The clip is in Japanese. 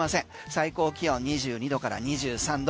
最高気温２２度から２３度。